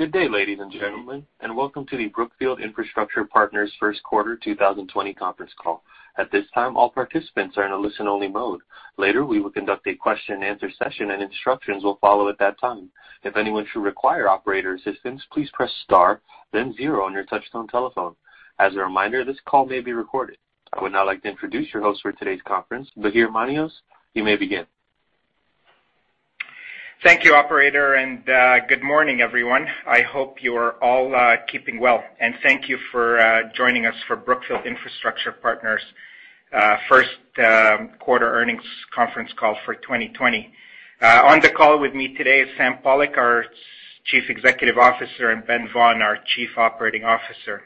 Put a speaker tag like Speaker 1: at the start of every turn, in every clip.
Speaker 1: Good day, ladies and gentlemen, welcome to the Brookfield Infrastructure Partners first quarter 2020 conference call. At this time, all participants are in a listen-only mode. Later, we will conduct a question and answer session. Instructions will follow at that time. If anyone should require operator assistance, please press star then zero on your touchtone telephone. As a reminder, this call may be recorded. I would now like to introduce your host for today's conference, Bahir Manios. You may begin.
Speaker 2: Thank you, operator, and good morning, everyone. I hope you're all keeping well. Thank you for joining us for Brookfield Infrastructure Partners' first quarter earnings conference call for 2020. On the call with me today is Sam Pollock, our Chief Executive Officer, and Ben Vaughan, our Chief Operating Officer.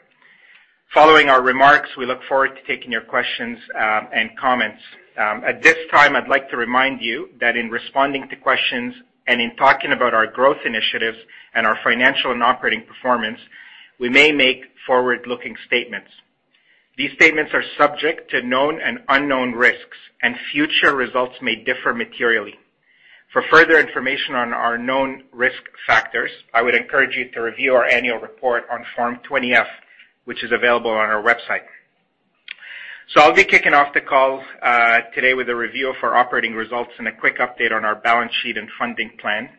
Speaker 2: Following our remarks, we look forward to taking your questions and comments. At this time, I'd like to remind you that in responding to questions and in talking about our growth initiatives and our financial and operating performance, we may make forward-looking statements. These statements are subject to known and unknown risks, and future results may differ materially. For further information on our known risk factors, I would encourage you to review our annual report on Form 20-F, which is available on our website. I'll be kicking off the call today with a review of our operating results and a quick update on our balance sheet and funding plan.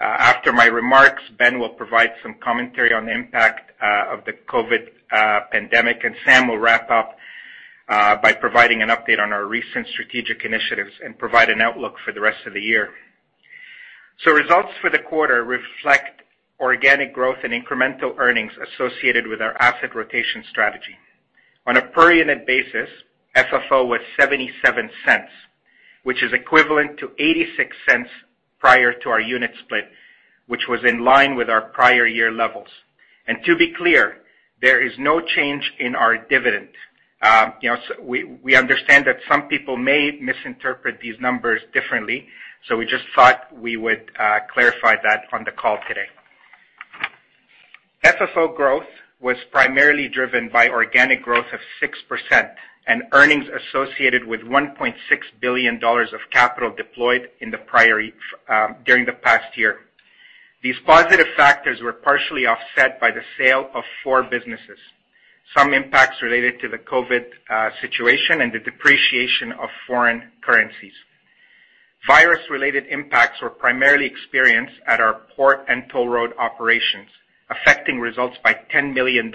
Speaker 2: After my remarks, Ben will provide some commentary on the impact of the COVID pandemic, and Sam will wrap up by providing an update on our recent strategic initiatives and provide an outlook for the rest of the year. Results for the quarter reflect organic growth and incremental earnings associated with our asset rotation strategy. On a per unit basis, FFO was $0.77, which is equivalent to $0.86 prior to our unit split, which was in line with our prior year levels. To be clear, there is no change in our dividend. We understand that some people may misinterpret these numbers differently, so we just thought we would clarify that on the call today. FFO growth was primarily driven by organic growth of 6% and earnings associated with $1.6 billion of capital deployed during the past year. These positive factors were partially offset by the sale of four businesses, some impacts related to the COVID situation, and the depreciation of foreign currencies. Virus-related impacts were primarily experienced at our port and toll road operations, affecting results by $10 million,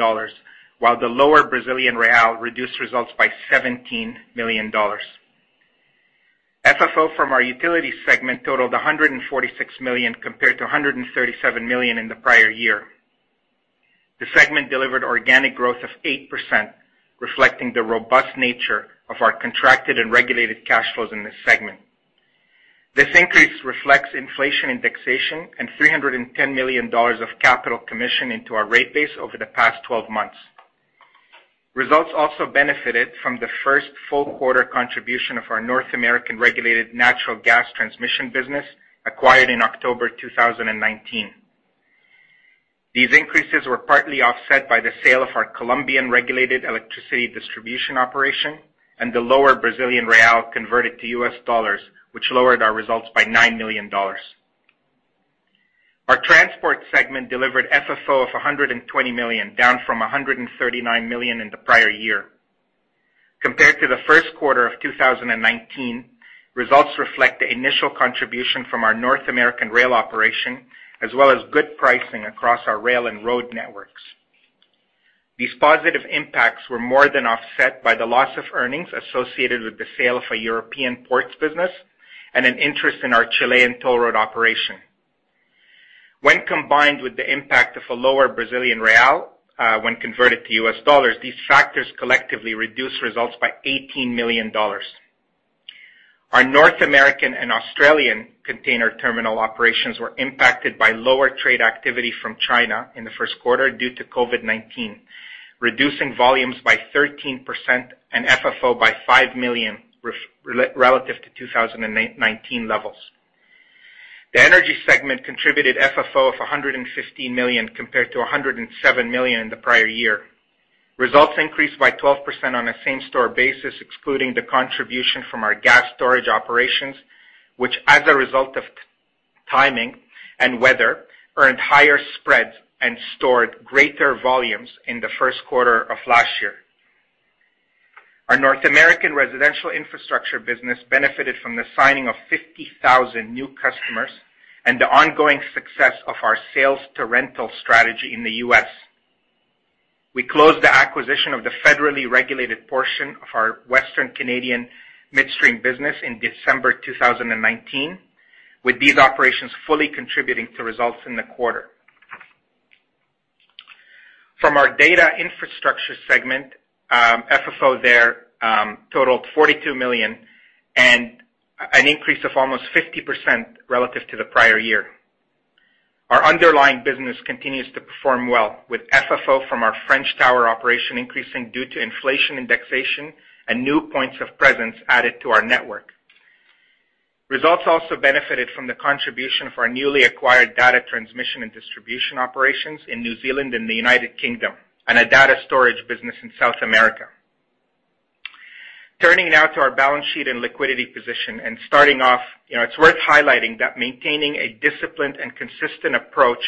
Speaker 2: while the lower Brazilian real reduced results by $17 million. FFO from our utility segment totaled $146 million compared to $137 million in the prior year. The segment delivered organic growth of 8%, reflecting the robust nature of our contracted and regulated cash flows in this segment. This increase reflects inflation indexation and $310 million of capital commissioned into our rate base over the past 12 months. Results also benefited from the first full quarter contribution of our North American regulated natural gas transmission business acquired in October 2019. These increases were partly offset by the sale of our Colombian regulated electricity distribution operation and the lower Brazilian real converted to U.S. dollars, which lowered our results by $9 million. Our transport segment delivered FFO of $120 million, down from $139 million in the prior year. Compared to the first quarter of 2019, results reflect the initial contribution from our North American rail operation, as well as good pricing across our rail and road networks. These positive impacts were more than offset by the loss of earnings associated with the sale of a European ports business and an interest in our Chilean toll road operation. When combined with the impact of a lower Brazilian real when converted to U.S. dollars, these factors collectively reduced results by $18 million. Our North American and Australian container terminal operations were impacted by lower trade activity from China in the first quarter due to COVID-19, reducing volumes by 13% and FFO by $5 million relative to 2019 levels. The energy segment contributed FFO of $115 million compared to $107 million in the prior year. Results increased by 12% on a same-store basis, excluding the contribution from our gas storage operations, which as a result of timing and weather, earned higher spreads and stored greater volumes in the first quarter of last year. Our North American residential infrastructure business benefited from the signing of 50,000 new customers and the ongoing success of our sale-to-rental strategy in the U.S. We closed the acquisition of the federally regulated portion of our Western Canadian midstream business in December 2019, with these operations fully contributing to results in the quarter. From our data infrastructure segment, FFO there totaled $42 million, and an increase of almost 50% relative to the prior year. Our underlying business continues to perform well, with FFO from our French tower operation increasing due to inflation indexation and new points of presence added to our network. Results also benefited from the contribution of our newly acquired data transmission and distribution operations in New Zealand and the United Kingdom and a data storage business in South America. Turning now to our balance sheet and liquidity position, starting off, it's worth highlighting that maintaining a disciplined and consistent approach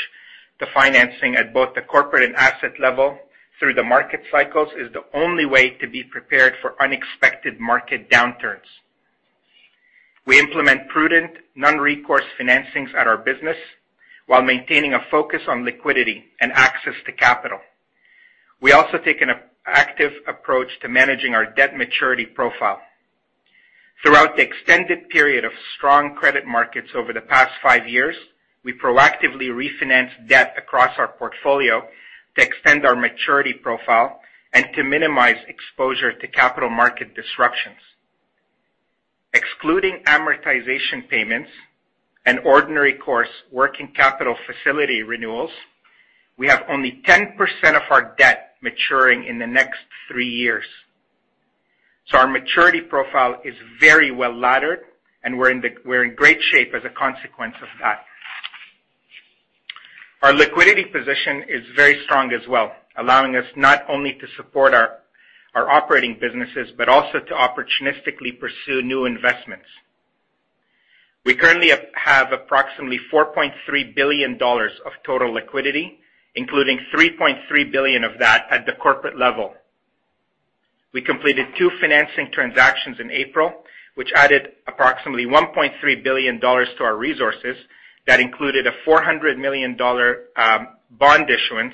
Speaker 2: to financing at both the corporate and asset level through the market cycles is the only way to be prepared for unexpected market downturns. We implement prudent non-recourse financings at our business while maintaining a focus on liquidity and access to capital. We also take an active approach to managing our debt maturity profile. Throughout the extended period of strong credit markets over the past five years, we proactively refinance debt across our portfolio to extend our maturity profile and to minimize exposure to capital market disruptions. Excluding amortization payments and ordinary course working capital facility renewals, we have only 10% of our debt maturing in the next three years. Our maturity profile is very well-laddered, and we're in great shape as a consequence of that. Our liquidity position is very strong as well, allowing us not only to support our operating businesses, but also to opportunistically pursue new investments. We currently have approximately $4.3 billion of total liquidity, including $3.3 billion of that at the corporate level. We completed two financing transactions in April, which added approximately $1.3 billion to our resources. That included a $400 million bond issuance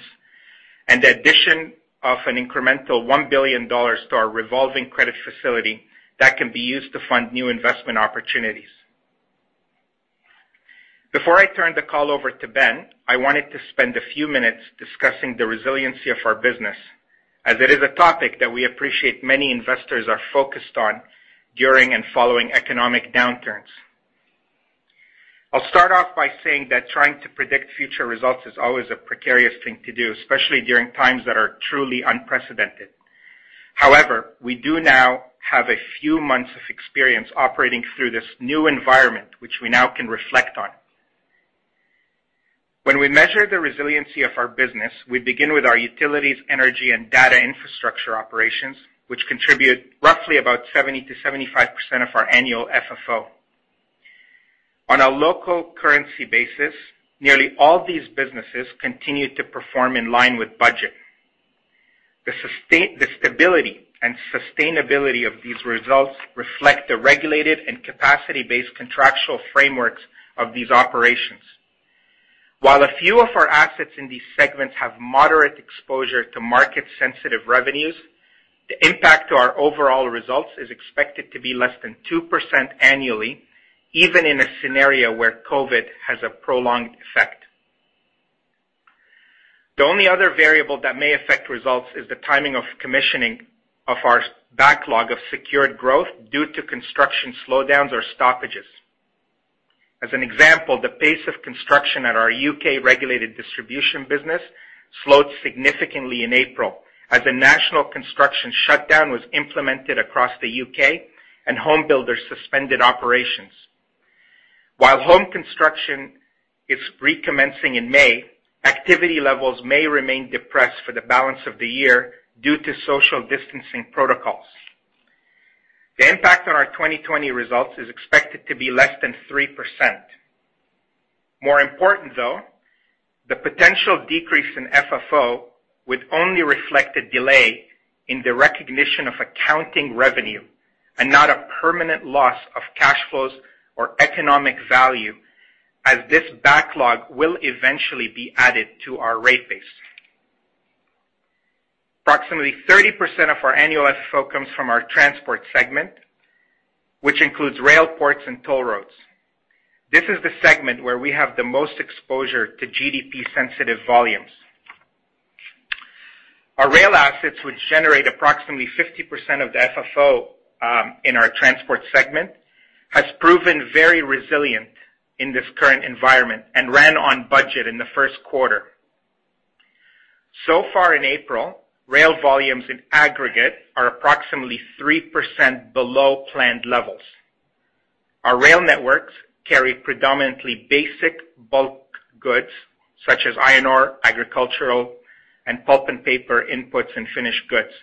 Speaker 2: and the addition of an incremental $1 billion to our revolving credit facility that can be used to fund new investment opportunities. Before I turn the call over to Ben, I wanted to spend a few minutes discussing the resiliency of our business, as it is a topic that we appreciate many investors are focused on during and following economic downturns. I'll start off by saying that trying to predict future results is always a precarious thing to do, especially during times that are truly unprecedented. We do now have a few months of experience operating through this new environment, which we now can reflect on. When we measure the resiliency of our business, we begin with our utilities, energy, and data infrastructure operations, which contribute roughly about 70%-75% of our annual FFO. On a local currency basis, nearly all these businesses continue to perform in line with budget. The stability and sustainability of these results reflect the regulated and capacity-based contractual frameworks of these operations. While a few of our assets in these segments have moderate exposure to market-sensitive revenues, the impact to our overall results is expected to be less than 2% annually, even in a scenario where COVID has a prolonged effect. The only other variable that may affect results is the timing of commissioning of our backlog of secured growth due to construction slowdowns or stoppages. As an example, the pace of construction at our U.K. regulated distribution business slowed significantly in April as a national construction shutdown was implemented across the U.K. and home builders suspended operations. While home construction is recommencing in May, activity levels may remain depressed for the balance of the year due to social distancing protocols. The impact on our 2020 results is expected to be less than 3%. More important, though, the potential decrease in FFO would only reflect a delay in the recognition of accounting revenue and not a permanent loss of cash flows or economic value, as this backlog will eventually be added to our rate base. Approximately 30% of our annual FFO comes from our transport segment, which includes rail, ports, and toll roads. This is the segment where we have the most exposure to GDP-sensitive volumes. Our rail assets, which generate approximately 50% of the FFO in our transport segment, has proven very resilient in this current environment and ran on budget in the first quarter. Far in April, rail volumes in aggregate are approximately 3% below planned levels. Our rail networks carry predominantly basic bulk goods such as iron ore, agricultural, and pulp and paper inputs and finished goods.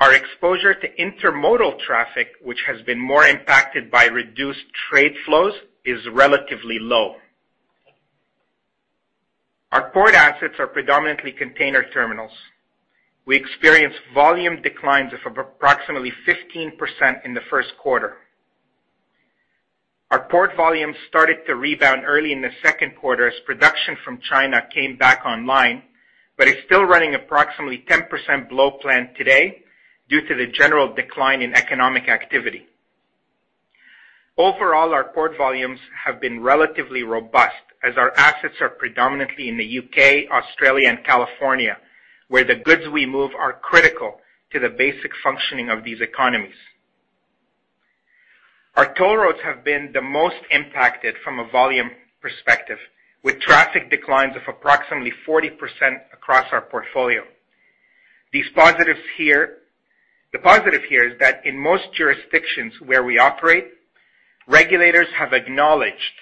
Speaker 2: Our exposure to intermodal traffic, which has been more impacted by reduced trade flows, is relatively low. Our port assets are predominantly container terminals. We experienced volume declines of approximately 15% in the first quarter. Our port volumes started to rebound early in the second quarter as production from China came back online, but is still running approximately 10% below plan today due to the general decline in economic activity. Overall, our port volumes have been relatively robust as our assets are predominantly in the U.K., Australia, and California, where the goods we move are critical to the basic functioning of these economies. Our toll roads have been the most impacted from a volume perspective, with traffic declines of approximately 40% across our portfolio. The positive here is that in most jurisdictions where we operate, Regulators have acknowledged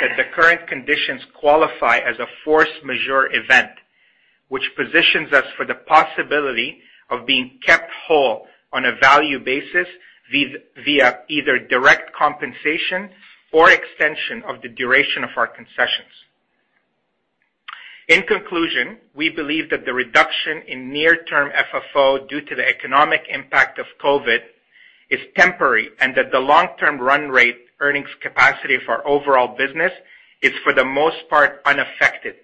Speaker 2: that the current conditions qualify as a force majeure event, which positions us for the possibility of being kept whole on a value basis via either direct compensation or extension of the duration of our concessions. In conclusion, we believe that the reduction in near-term FFO due to the economic impact of COVID is temporary, and that the long-term run rate earnings capacity for our overall business is, for the most part, unaffected.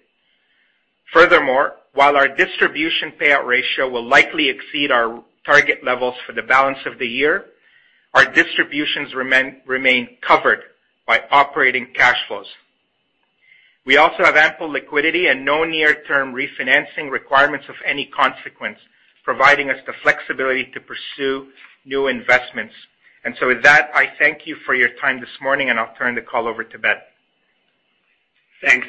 Speaker 2: Furthermore, while our distribution payout ratio will likely exceed our target levels for the balance of the year, our distributions remain covered by operating cash flows. We also have ample liquidity and no near-term refinancing requirements of any consequence, providing us the flexibility to pursue new investments. With that, I thank you for your time this morning, and I'll turn the call over to Ben.
Speaker 3: Thanks,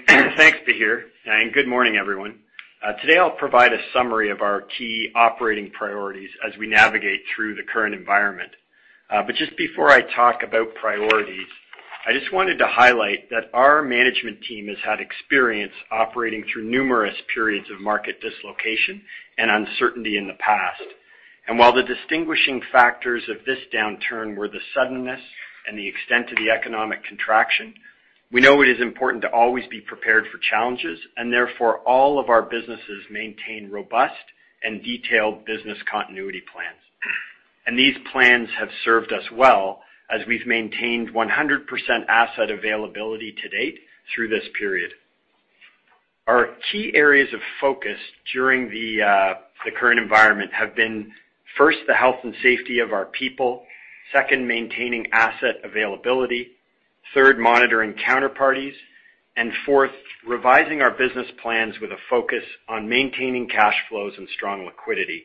Speaker 3: Bahir, and good morning, everyone. Today, I'll provide a summary of our key operating priorities as we navigate through the current environment. Just before I talk about priorities, I just wanted to highlight that our management team has had experience operating through numerous periods of market dislocation and uncertainty in the past. While the distinguishing factors of this downturn were the suddenness and the extent of the economic contraction, we know it is important to always be prepared for challenges, and therefore, all of our businesses maintain robust and detailed business continuity plans. These plans have served us well as we've maintained 100% asset availability to date through this period. Our key areas of focus during the current environment have been, first, the health and safety of our people. Second, maintaining asset availability. Third, monitoring counterparties. Fourth, revising our business plans with a focus on maintaining cash flows and strong liquidity.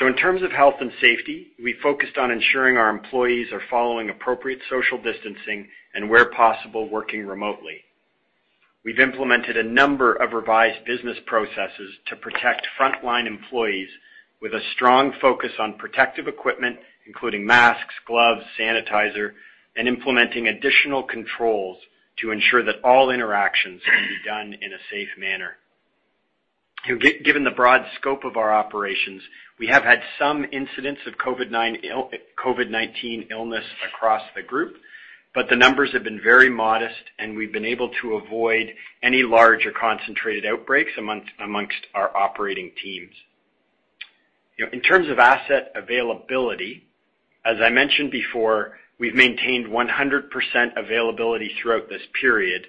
Speaker 3: In terms of health and safety, we focused on ensuring our employees are following appropriate social distancing and, where possible, working remotely. We've implemented a number of revised business processes to protect frontline employees with a strong focus on protective equipment, including masks, gloves, sanitizer, and implementing additional controls to ensure that all interactions can be done in a safe manner. Given the broad scope of our operations, we have had some incidents of COVID-19 illness across the group, but the numbers have been very modest, and we've been able to avoid any large or concentrated outbreaks amongst our operating teams. In terms of asset availability, as I mentioned before, we've maintained 100% availability throughout this period.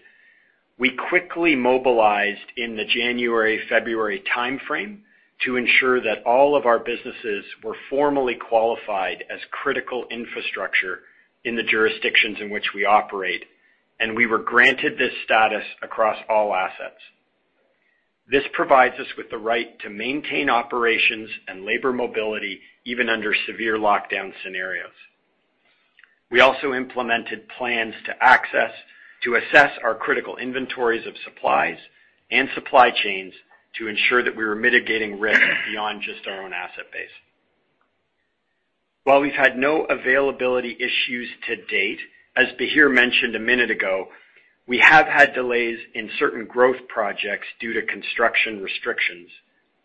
Speaker 3: We quickly mobilized in the January-February timeframe to ensure that all of our businesses were formally qualified as critical infrastructure in the jurisdictions in which we operate, and we were granted this status across all assets. This provides us with the right to maintain operations and labor mobility, even under severe lockdown scenarios. We also implemented plans to assess our critical inventories of supplies and supply chains to ensure that we were mitigating risk beyond just our own asset base. While we've had no availability issues to date, as Bahir mentioned a minute ago, we have had delays in certain growth projects due to construction restrictions,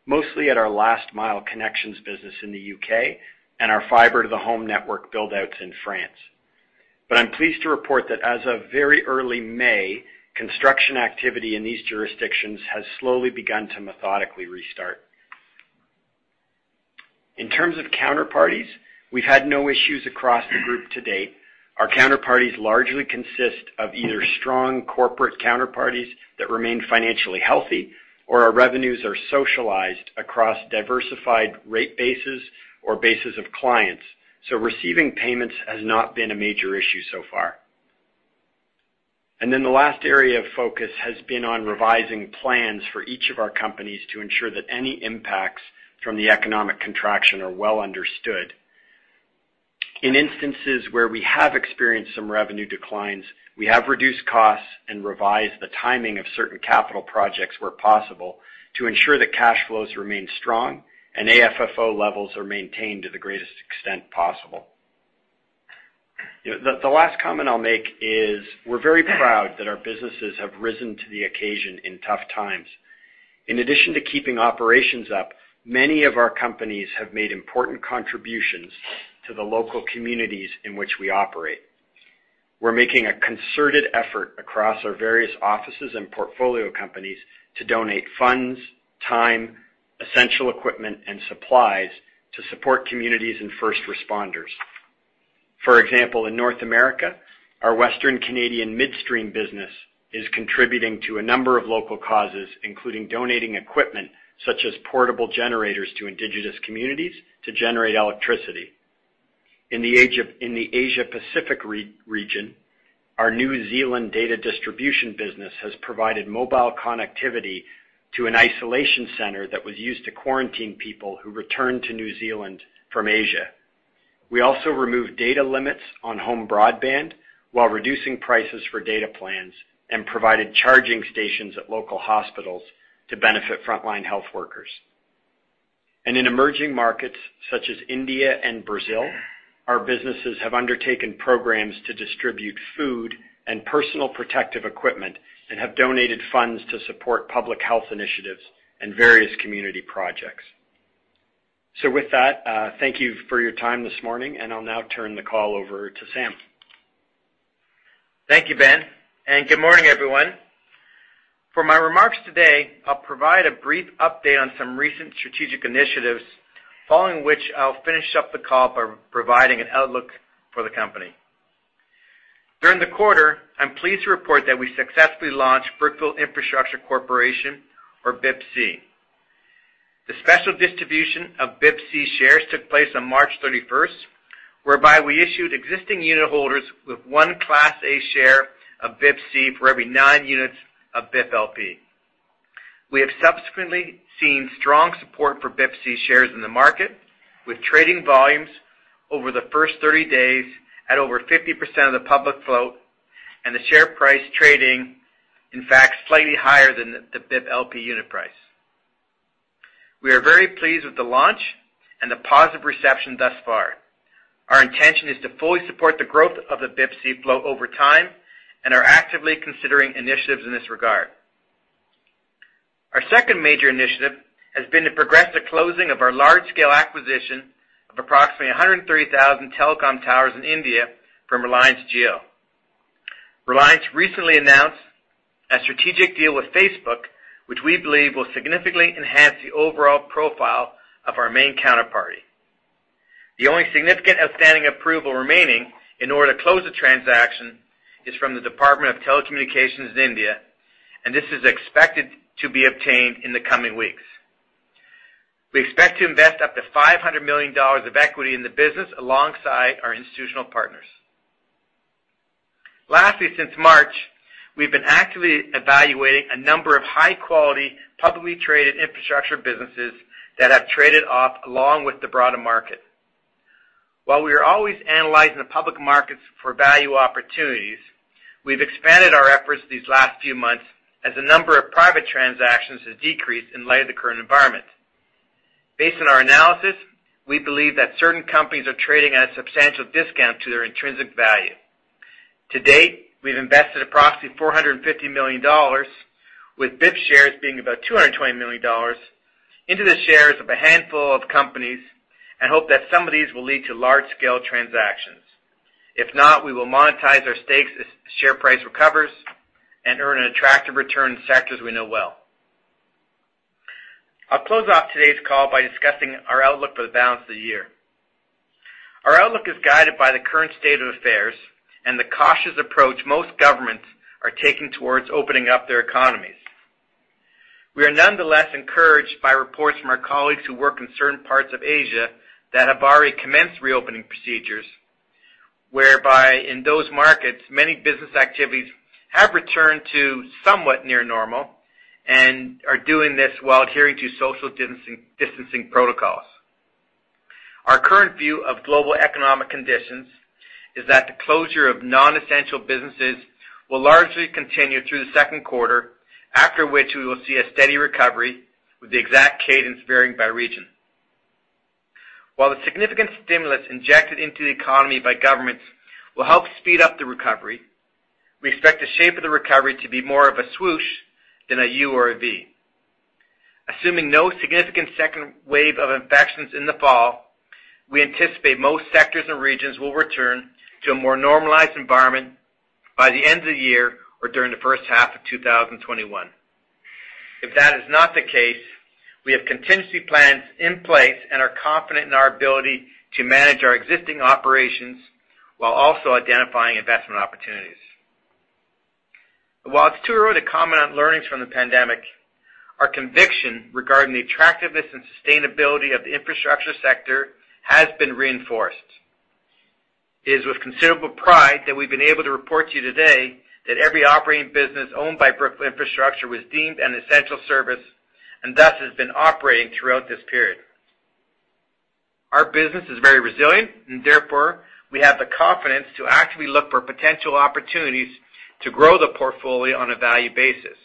Speaker 3: mostly at our last mile connections business in the U.K. and our fiber-to-the-home network build-outs in France. I'm pleased to report that as of very early May, construction activity in these jurisdictions has slowly begun to methodically restart. In terms of counterparties, we've had no issues across the group to date. Our counterparties largely consist of either strong corporate counterparties that remain financially healthy or our revenues are socialized across diversified rate bases or bases of clients. Receiving payments has not been a major issue so far. The last area of focus has been on revising plans for each of our companies to ensure that any impacts from the economic contraction are well understood. In instances where we have experienced some revenue declines, we have reduced costs and revised the timing of certain capital projects where possible to ensure that cash flows remain strong and AFFO levels are maintained to the greatest extent possible. The last comment I'll make is we're very proud that our businesses have risen to the occasion in tough times. In addition to keeping operations up, many of our companies have made important contributions to the local communities in which we operate. We're making a concerted effort across our various offices and portfolio companies to donate funds, time, essential equipment, and supplies to support communities and first responders. For example, in North America, our Western Canadian midstream business is contributing to a number of local causes, including donating equipment such as portable generators to Indigenous communities to generate electricity. In the Asia Pacific region, our New Zealand data distribution business has provided mobile connectivity to an isolation center that was used to quarantine people who returned to New Zealand from Asia. We also removed data limits on home broadband while reducing prices for data plans and provided charging stations at local hospitals to benefit frontline health workers. In emerging markets such as India and Brazil, our businesses have undertaken programs to distribute food and personal protective equipment and have donated funds to support public health initiatives and various community projects. With that, thank you for your time this morning, and I'll now turn the call over to Sam.
Speaker 4: Thank you, Ben, and good morning, everyone. For my remarks today, I'll provide a brief update on some recent strategic initiatives, following which I'll finish up the call by providing an outlook for the company. During the quarter, I'm pleased to report that we successfully launched Brookfield Infrastructure Corporation, or BIPC. The special distribution of BIPC shares took place on March 31st, whereby we issued existing unit holders with one Class A share of BIPC for every nine units of BIP LP. We have subsequently seen strong support for BIPC shares in the market, with trading volumes over the first 30 days at over 50% of the public float and the share price trading, in fact, slightly higher than the BIP LP unit price. We are very pleased with the launch and the positive reception thus far. Our intention is to fully support the growth of the BIPC float over time and are actively considering initiatives in this regard. Our second major initiative has been to progress the closing of our large-scale acquisition of approximately 130,000 telecom towers in India from Reliance Jio. Reliance recently announced a strategic deal with Facebook, which we believe will significantly enhance the overall profile of our main counterparty. The only significant outstanding approval remaining in order to close the transaction is from the Department of Telecommunications in India. This is expected to be obtained in the coming weeks. We expect to invest up to $500 million of equity in the business alongside our institutional partners. Lastly, since March, we've been actively evaluating a number of high-quality, publicly traded infrastructure businesses that have traded off along with the broader market. While we are always analyzing the public markets for value opportunities, we've expanded our efforts these last few months as the number of private transactions has decreased in light of the current environment. Based on our analysis, we believe that certain companies are trading at a substantial discount to their intrinsic value. To date, we've invested approximately $450 million, with BIP shares being about $220 million into the shares of a handful of companies, and hope that some of these will lead to large-scale transactions. If not, we will monetize our stakes as share price recovers and earn an attractive return in sectors we know well. I'll close off today's call by discussing our outlook for the balance of the year. Our outlook is guided by the current state of affairs and the cautious approach most governments are taking towards opening up their economies. We are nonetheless encouraged by reports from our colleagues who work in certain parts of Asia that have already commenced reopening procedures, whereby in those markets, many business activities have returned to somewhat near normal and are doing this while adhering to social distancing protocols. Our current view of global economic conditions is that the closure of non-essential businesses will largely continue through the second quarter, after which we will see a steady recovery, with the exact cadence varying by region. While the significant stimulus injected into the economy by governments will help speed up the recovery, we expect the shape of the recovery to be more of a swoosh than a U or a V. Assuming no significant second wave of infections in the fall, we anticipate most sectors and regions will return to a more normalized environment by the end of the year or during the first half of 2021. If that is not the case, we have contingency plans in place and are confident in our ability to manage our existing operations while also identifying investment opportunities. While it's too early to comment on learnings from the pandemic, our conviction regarding the attractiveness and sustainability of the infrastructure sector has been reinforced. It is with considerable pride that we've been able to report to you today that every operating business owned by Brookfield Infrastructure was deemed an essential service and thus has been operating throughout this period. Our business is very resilient, and therefore, we have the confidence to actively look for potential opportunities to grow the portfolio on a value basis.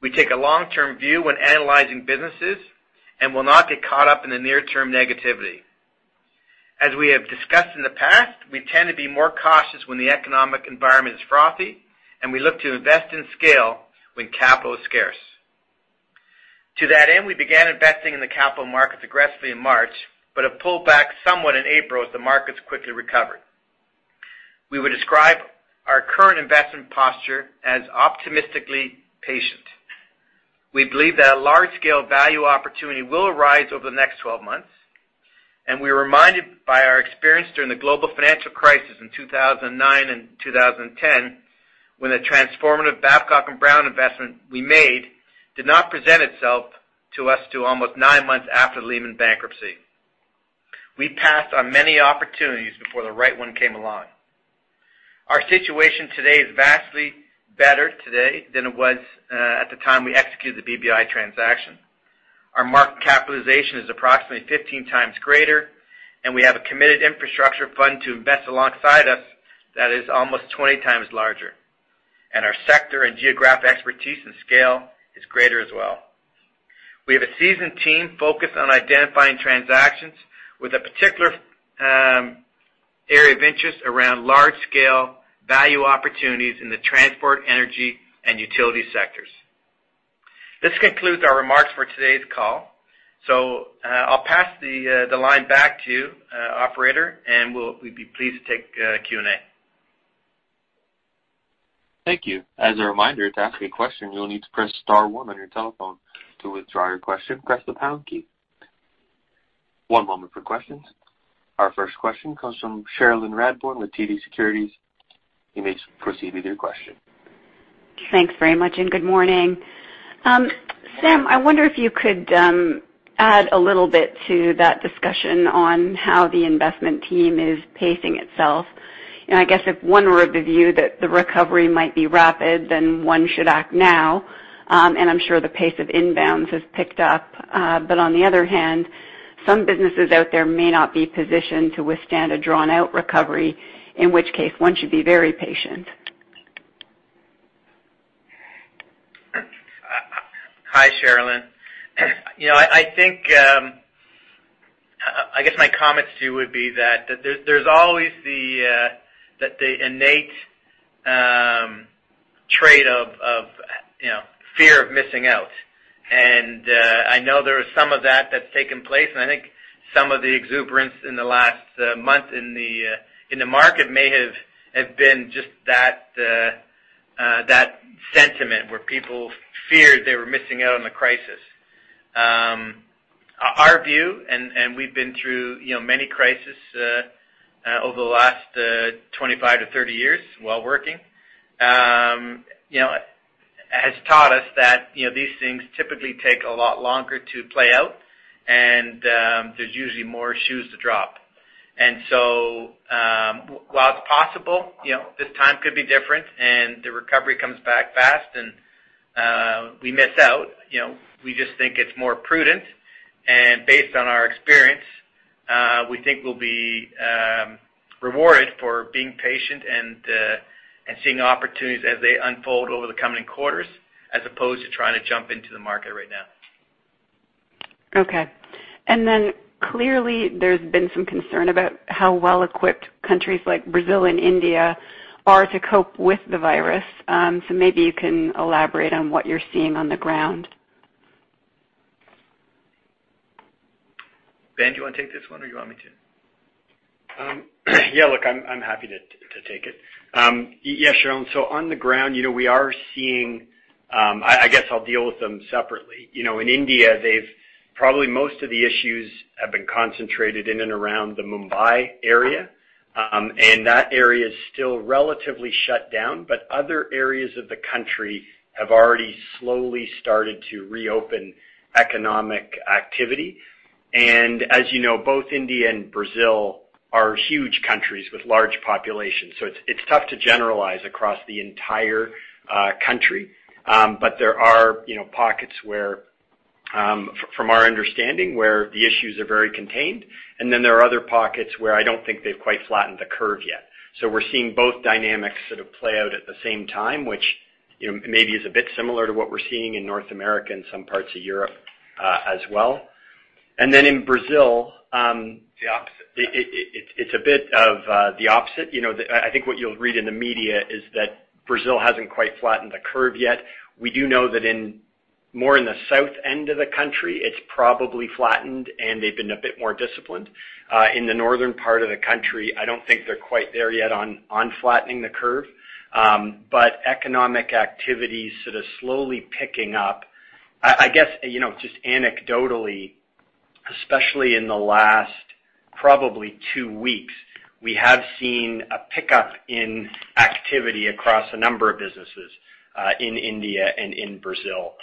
Speaker 4: We take a long-term view when analyzing businesses and will not get caught up in the near-term negativity. As we have discussed in the past, we tend to be more cautious when the economic environment is frothy, and we look to invest in scale when capital is scarce. To that end, we began investing in the capital markets aggressively in March, have pulled back somewhat in April as the markets quickly recovered. We would describe our current investment posture as optimistically patient. We believe that a large-scale value opportunity will arise over the next 12 months. We are reminded by our experience during the global financial crisis in 2009 and 2010, when the transformative Babcock & Brown investment we made did not present itself to us to almost nine months after the Lehman bankruptcy. We passed on many opportunities before the right one came along. Our situation today is vastly better today than it was at the time we executed the BBI transaction. Our market capitalization is approximately 15x greater, and we have a committed infrastructure fund to invest alongside us that is almost 20x larger. Our sector and geographic expertise and scale is greater as well. We have a seasoned team focused on identifying transactions with a particular area of interest around large-scale value opportunities in the transport, energy, and utility sectors. This concludes our remarks for today's call. I'll pass the line back to you, operator, and we'd be pleased to take Q&A.
Speaker 1: Thank you. As a reminder, to ask a question, you'll need to press star one on your telephone. To withdraw your question, press the pound key. One moment for questions. Our first question comes from Cherilyn Radbourne with TD Securities. You may proceed with your question.
Speaker 5: Thanks very much. Good morning. Sam, I wonder if you could add a little bit to that discussion on how the investment team is pacing itself. I guess if one were of the view that the recovery might be rapid, then one should act now, and I'm sure the pace of inbounds has picked up. On the other hand, some businesses out there may not be positioned to withstand a drawn-out recovery, in which case one should be very patient.
Speaker 4: Hi, Cherilyn. I guess my comments to you would be that there's always the innate trait of fear of missing out. I know there is some of that that's taken place, and I think some of the exuberance in the last month in the market may have been just that sentiment where people feared they were missing out on the crisis. Our view, and we've been through many crises over the last 25 to 30 years while working, has taught us that these things typically take a lot longer to play out, and there's usually more shoes to drop. While it's possible this time could be different and the recovery comes back fast and we miss out, we just think it's more prudent, and based on our experience, we think we'll be rewarded for being patient and seeing opportunities as they unfold over the coming quarters as opposed to trying to jump into the market right now.
Speaker 5: Okay. Clearly there's been some concern about how well-equipped countries like Brazil and India are to cope with the virus. Maybe you can elaborate on what you're seeing on the ground.
Speaker 4: Ben, do you want to take this one, or do you want me to?
Speaker 3: Look, I'm happy to take it. Cherilyn, on the ground I guess I'll deal with them separately. In India, probably most of the issues have been concentrated in and around the Mumbai area. That area is still relatively shut down. Other areas of the country have already slowly started to reopen economic activity. As you know, both India and Brazil are huge countries with large populations. It's tough to generalize across the entire country. There are pockets from our understanding, where the issues are very contained, then there are other pockets where I don't think they've quite flattened the curve yet. We're seeing both dynamics sort of play out at the same time, which maybe is a bit similar to what we're seeing in North America and some parts of Europe as well. In Brazil-
Speaker 4: The opposite.
Speaker 3: -it's a bit of the opposite. I think what you'll read in the media is that Brazil hasn't quite flattened the curve yet. We do know that more in the south end of the country, it's probably flattened, and they've been a bit more disciplined. In the northern part of the country, I don't think they're quite there yet on flattening the curve. Economic activity sort of slowly picking up. I guess, just anecdotally, especially in the last probably two weeks, we have seen a pickup in activity across a number of businesses in India and in Brazil.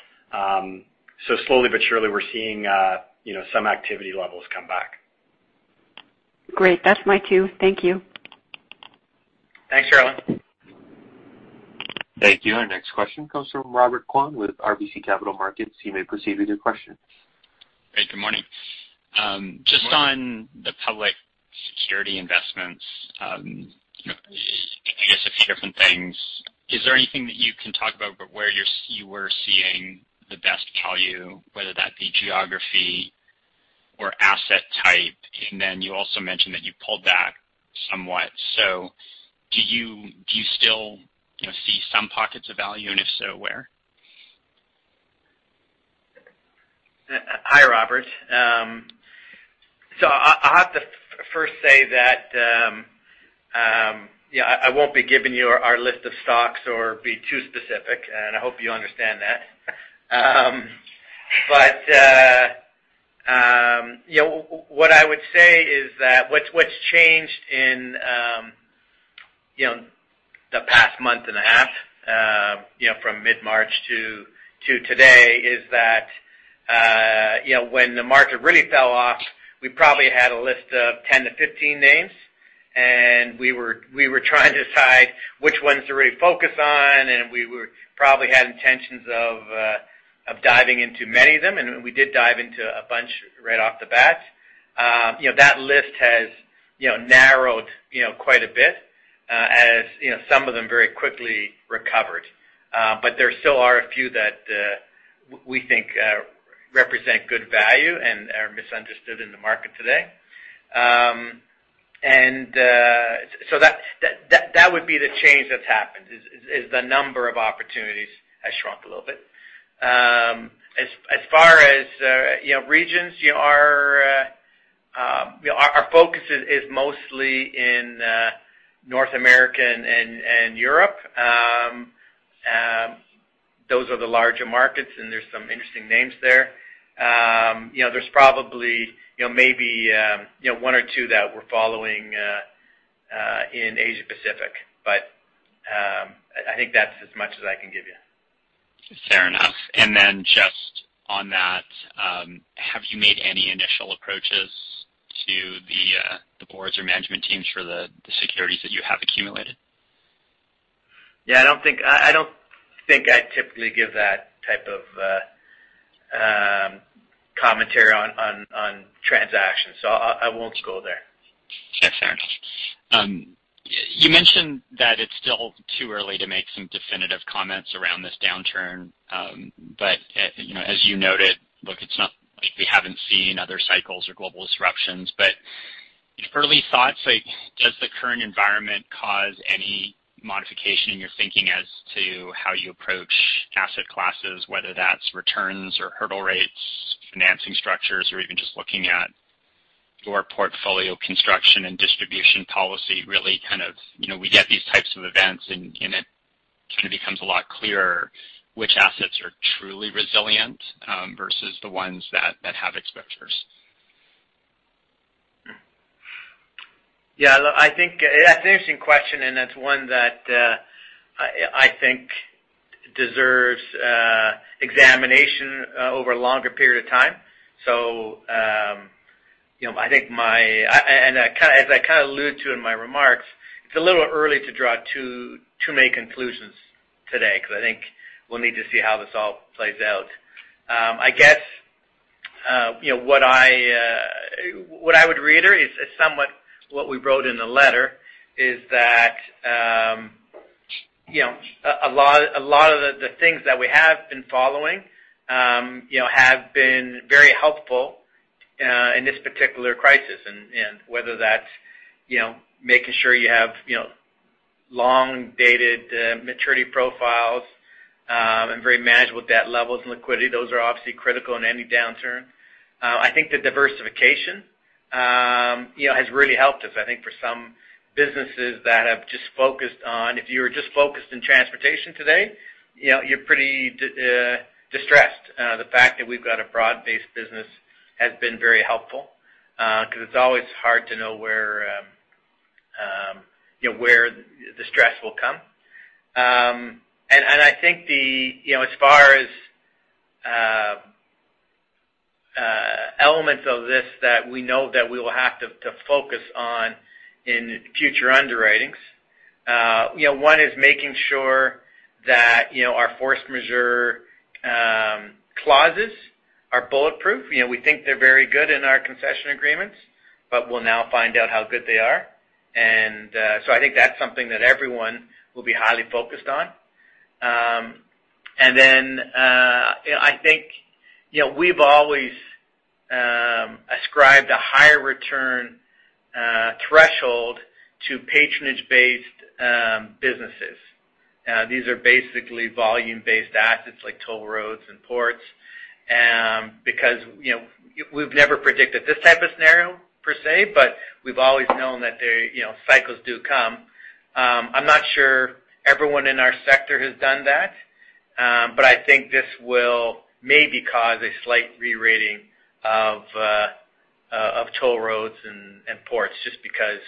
Speaker 3: Slowly but surely, we're seeing some activity levels come back.
Speaker 5: Great. That's my cue. Thank you.
Speaker 4: Thanks, Cherilyn.
Speaker 1: Thank you. Our next question comes from Robert Kwan with RBC Capital Markets. You may proceed with your question.
Speaker 6: Hey, good morning. Just on the public security investments, I guess a few different things. Is there anything that you can talk about where you were seeing the best value, whether that be geography or asset type? Then you also mentioned that you pulled back somewhat. Do you still see some pockets of value, and if so, where?
Speaker 4: Hi, Robert. I'll have to first say that I won't be giving you our list of stocks or be too specific, and I hope you understand that. What I would say is that what's changed in the past month and a half from mid-March to today is that when the market really fell off, we probably had a list of 10 to 15 names, and we were trying to decide which ones to really focus on, and we probably had intentions of diving into many of them. We did dive into a bunch right off the bat. That list has narrowed quite a bit as some of them very quickly recovered. There still are a few that we think represent good value and are misunderstood in the market today. That would be the change that's happened, is the number of opportunities has shrunk a little bit. As far as regions, our focus is mostly in North America and Europe. Those are the larger markets, and there's some interesting names there. There's probably maybe one or two that we're following in Asia Pacific, but I think that's as much as I can give you.
Speaker 6: Fair enough. Just on that, have you made any initial approaches to the boards or management teams for the securities that you have accumulated?
Speaker 4: Yeah, I don't think I typically give that type of commentary on transactions, so I won't go there.
Speaker 6: Yeah, fair enough. You mentioned that it's still too early to make some definitive comments around this downturn. As you noted, look, it's not like we haven't seen other cycles or global disruptions, but early thoughts, does the current environment cause any modification in your thinking as to how you approach asset classes, whether that's returns or hurdle rates, financing structures or even just looking at your portfolio construction and distribution policy, really kind of we get these types of events, and it kind of becomes a lot clearer which assets are truly resilient versus the ones that have exposures?
Speaker 4: Yeah. That's an interesting question, that's one that I think deserves examination over a longer period of time. As I kind of alluded to in my remarks, it's a little early to draw too many conclusions today because I think we'll need to see how this all plays out. I guess what I would reiterate is somewhat what we wrote in the letter, is that a lot of the things that we have been following have been very helpful in this particular crisis, whether that's making sure you have long-dated maturity profiles and very manageable debt levels and liquidity. Those are obviously critical in any downturn. I think the diversification has really helped us. I think for some businesses that have just focused. If you are just focused on transportation today, you're pretty distressed. The fact that we've got a broad-based business has been very helpful because it's always hard to know where the stress will come. I think as far as elements of this that we know that we will have to focus on in future underwritings, one is making sure that our force majeure clauses are bulletproof. We think they're very good in our concession agreements, but we'll now find out how good they are. I think that's something that everyone will be highly focused on. I think we've always ascribed a higher return threshold to patronage-based businesses. These are basically volume-based assets like toll roads and ports because we've never predicted this type of scenario per se, but we've always known that cycles do come. I'm not sure everyone in our sector has done that, but I think this will maybe cause a slight re-rating of toll roads and ports just because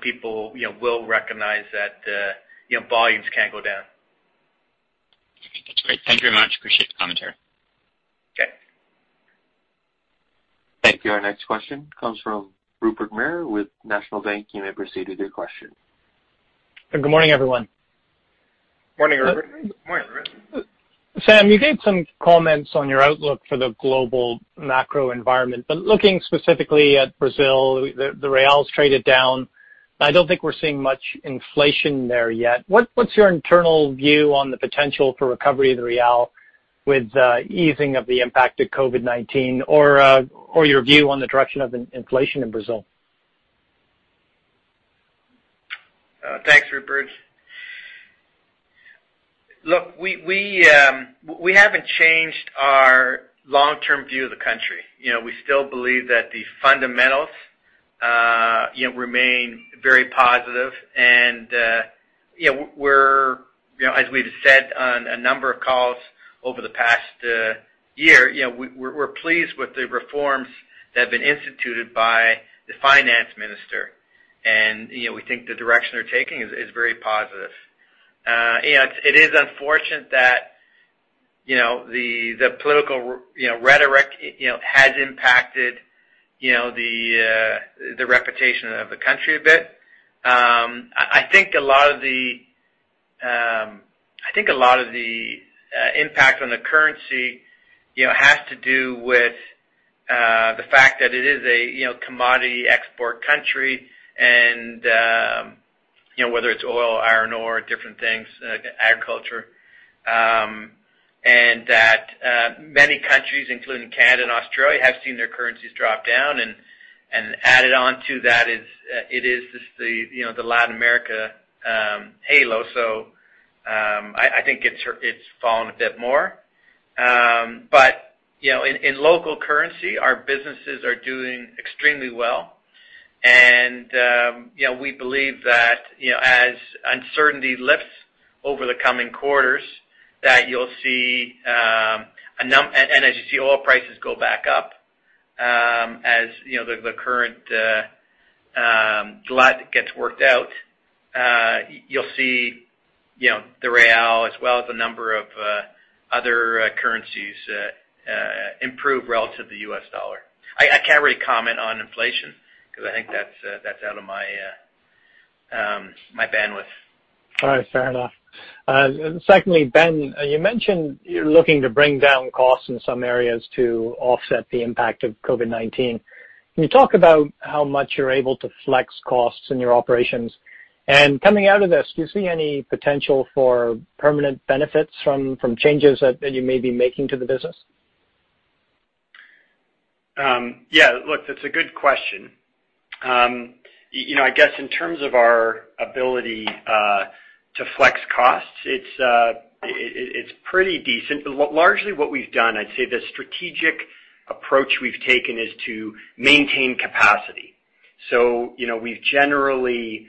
Speaker 4: people will recognize that volumes can go down.
Speaker 6: That's great. Thank you very much. Appreciate the commentary.
Speaker 4: Okay.
Speaker 1: Thank you. Our next question comes from Rupert Merer with National Bank. You may proceed with your question.
Speaker 7: Good morning, everyone.
Speaker 4: Morning, Rupert.
Speaker 7: Sam, you gave some comments on your outlook for the global macro environment. Looking specifically at Brazil, the real's traded down. I don't think we're seeing much inflation there yet. What's your internal view on the potential for recovery of the real with easing of the impact of COVID-19 or your view on the direction of inflation in Brazil?
Speaker 4: Thanks, Rupert. We haven't changed our long-term view of the country. We still believe that the fundamentals remain very positive. As we've said on a number of calls over the past year, we're pleased with the reforms that have been instituted by the finance minister. We think the direction they're taking is very positive. It is unfortunate that the political rhetoric has impacted the reputation of the country a bit. I think a lot of the impact on the currency has to do with the fact that it is a commodity export country, whether it's oil, iron ore, different things, agriculture. That many countries, including Canada and Australia, have seen their currencies drop down, and added on to that is the Latin America halo. I think it's fallen a bit more. In local currency, our businesses are doing extremely well. We believe that as uncertainty lifts over the coming quarters, and as you see oil prices go back up as the current glut gets worked out, you'll see the real as well as a number of other currencies improve relative to the U.S. dollar. I can't really comment on inflation because I think that's out of my bandwidth.
Speaker 7: All right. Fair enough. Secondly, Ben, you mentioned you're looking to bring down costs in some areas to offset the impact of COVID-19. Can you talk about how much you're able to flex costs in your operations? Coming out of this, do you see any potential for permanent benefits from changes that you may be making to the business?
Speaker 3: Yeah. Look, that's a good question. I guess in terms of our ability to flex costs, it's pretty decent. Largely what we've done, I'd say the strategic approach we've taken is to maintain capacity. We've generally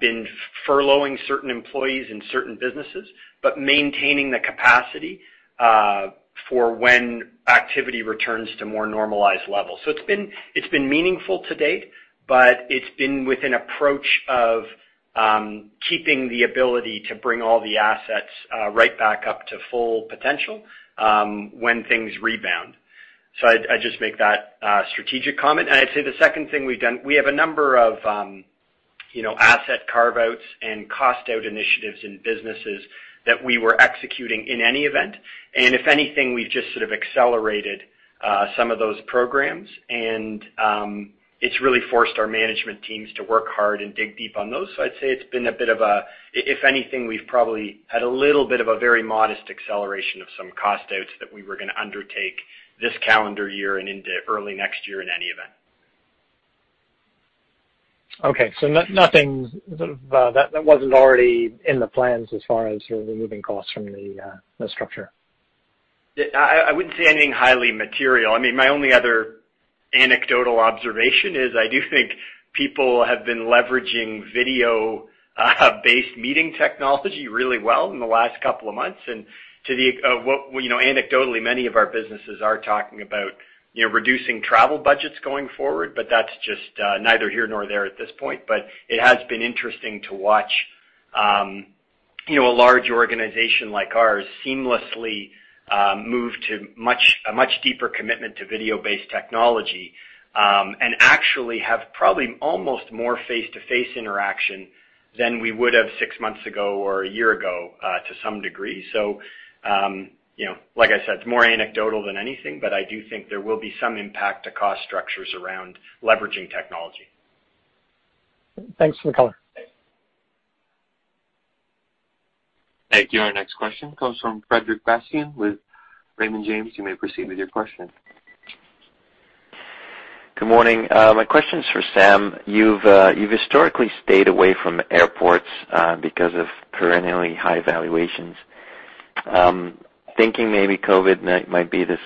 Speaker 3: been furloughing certain employees in certain businesses, but maintaining the capacity for when activity returns to more normalized levels. It's been meaningful to date, but it's been with an approach of keeping the ability to bring all the assets right back up to full potential when things rebound. I'd just make that strategic comment. I'd say the second thing we've done, we have a number of asset carve-outs and cost-out initiatives in businesses that we were executing in any event. If anything, we've just sort of accelerated some of those programs, and it's really forced our management teams to work hard and dig deep on those. I'd say it's been a bit of a, if anything, we've probably had a little bit of a very modest acceleration of some cost outs that we were going to undertake this calendar year and into early next year in any event.
Speaker 7: Okay. Nothing that wasn't already in the plans as far as removing costs from the structure.
Speaker 3: I wouldn't say anything highly material. My only other anecdotal observation is I do think people have been leveraging video-based meeting technology really well in the last couple of months. Anecdotally, many of our businesses are talking about reducing travel budgets going forward, but that's just neither here nor there at this point. It has been interesting to watch a large organization like ours seamlessly move to a much deeper commitment to video-based technology, and actually have probably almost more face-to-face interaction than we would have six months ago or a year ago, to some degree. Like I said, it's more anecdotal than anything, but I do think there will be some impact to cost structures around leveraging technology.
Speaker 7: Thanks for the color.
Speaker 3: Thanks.
Speaker 1: Thank you. Our next question comes from Frederic Bastien with Raymond James. You may proceed with your question.
Speaker 8: Good morning. My question is for Sam. You've historically stayed away from airports because of perennially high valuations. I'm thinking maybe COVID might be this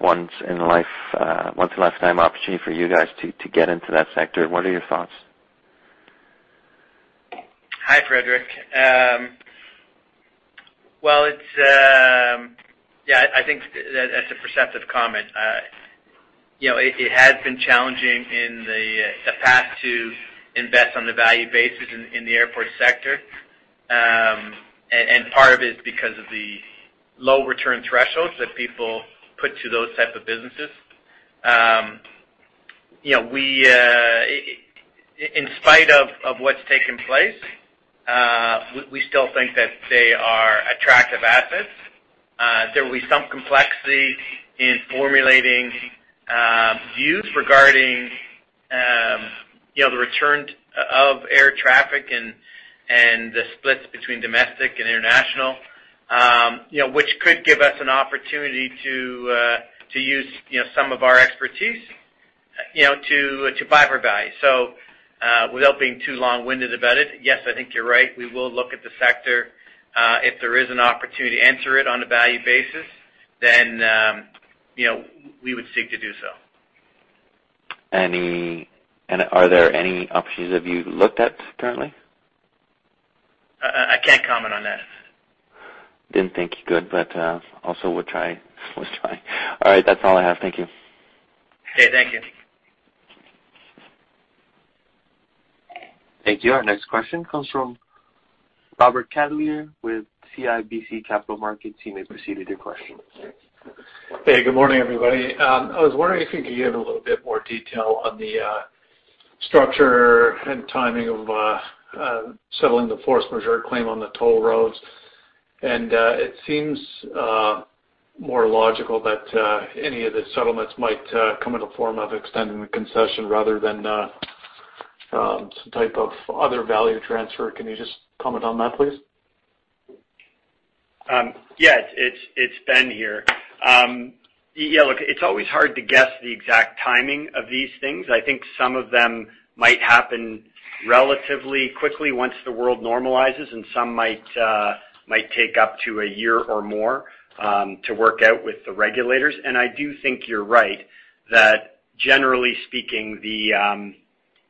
Speaker 8: once in a lifetime opportunity for you guys to get into that sector. What are your thoughts?
Speaker 4: Hi, Frederic. Yeah, I think that's a perceptive comment. It has been challenging in the past to invest on the value basis in the airport sector. Part of it is because of the low return thresholds that people put to those types of businesses. In spite of what's taken place, we still think that they are attractive assets. There will be some complexity in formulating views regarding the return of air traffic and the splits between domestic and international, which could give us an opportunity to use some of our expertise to buy for value. Without being too long-winded about it, yes, I think you're right. We will look at the sector. If there is an opportunity to enter it on a value basis, then we would seek to do so.
Speaker 8: Are there any opportunities that you've looked at currently?
Speaker 4: I can't comment on that.
Speaker 8: Didn't think you could, but also worth trying. All right, that's all I have. Thank you.
Speaker 4: Okay, thank you.
Speaker 1: Thank you. Our next question comes from Robert Catellier with CIBC Capital Markets. You may proceed with your question.
Speaker 9: Hey, good morning, everybody. I was wondering if you could give a little bit more detail on the structure and timing of settling the force majeure claim on the toll roads. It seems more logical that any of the settlements might come in the form of extending the concession rather than some type of other value transfer. Can you just comment on that, please?
Speaker 3: Yes. It's Ben here. Look, it's always hard to guess the exact timing of these things. I think some of them might happen relatively quickly once the world normalizes, some might take up to one year or more to work out with the regulators. I do think you're right, that generally speaking,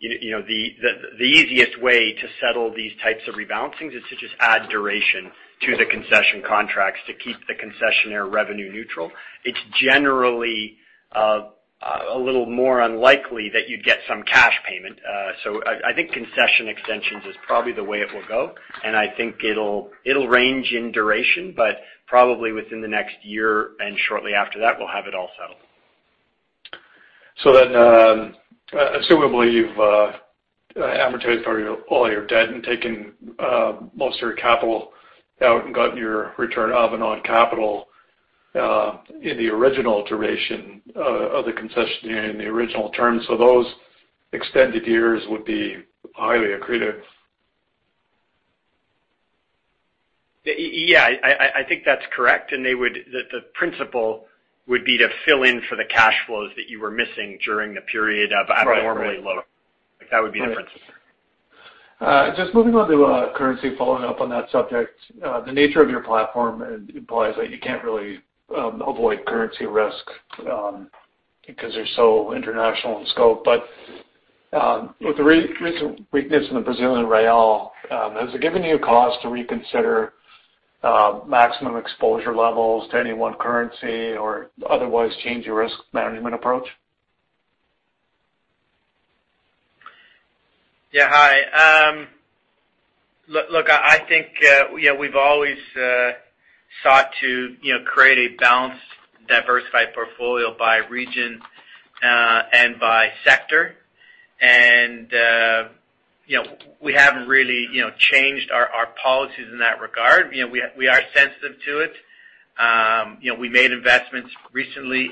Speaker 3: the easiest way to settle these types of rebalancings is to just add duration to the concession contracts to keep the concessionaire revenue neutral. It's generally a little more unlikely that you'd get some cash payment. I think concession extensions is probably the way it will go, I think it'll range in duration, probably within the next one year and shortly after that, we'll have it all settled.
Speaker 9: Assumably, you've amortized all your debt and taken most of your capital out and gotten your return of and on capital in the original duration of the concessionaire in the original terms. Those extended years would be highly accretive.
Speaker 3: Yeah. I think that's correct. The principle would be to fill in for the cash flows that you were missing during the period of abnormally low.
Speaker 9: Right.
Speaker 3: Like that would be the principle.
Speaker 9: Moving on to currency, following up on that subject. The nature of your platform implies that you can't really avoid currency risk because you're so international in scope. With the recent weakness in the Brazilian real, has it given you cause to reconsider maximum exposure levels to any one currency or otherwise change your risk management approach?
Speaker 3: Yeah. Hi. Look, I think we've always sought to create a balanced, diversified portfolio by region and by sector. We haven't really changed our policies in that regard. We are sensitive to it. We made investments recently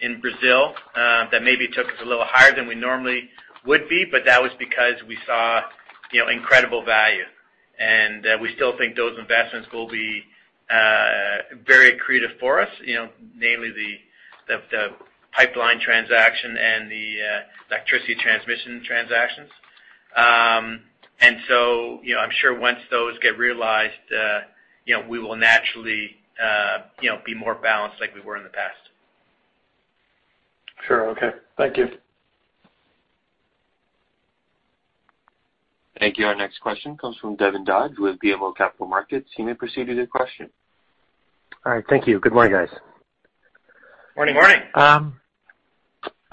Speaker 3: in Brazil that maybe took us a little higher than we normally would be, but that was because we saw incredible value. We still think those investments will be very accretive for us, namely the pipeline transaction and the electricity transmission transactions. I'm sure once those get realized we will naturally be more balanced like we were in the past.
Speaker 9: Sure. Okay. Thank you.
Speaker 1: Thank you. Our next question comes from Devin Dodge with BMO Capital Markets. You may proceed with your question.
Speaker 10: All right. Thank you. Good morning, guys.
Speaker 3: Morning.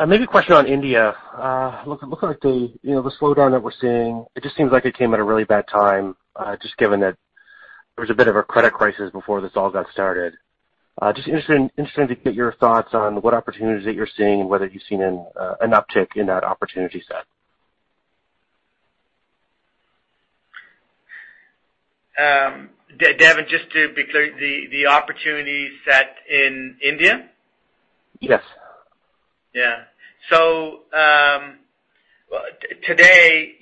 Speaker 10: Maybe a question on India? Look like the slowdown that we're seeing, it just seems like it came at a really bad time, just given that there was a bit of a credit crisis before this all got started. Just interested to get your thoughts on what opportunities that you're seeing and whether you've seen an uptick in that opportunity set?
Speaker 3: Devin, just to be clear, the opportunity set in India?
Speaker 10: Yes.
Speaker 3: Today,